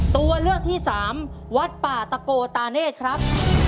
ตัวเลือกที่สามวัดป่าตะโกตาเนธครับ